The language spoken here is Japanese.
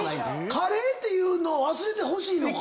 カレーっていうのを忘れてほしいのか。